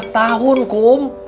tujuh belas tahun kum